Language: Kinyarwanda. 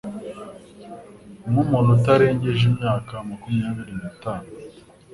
nk'umuntu utarengeje imyaka makumyabiri nitanu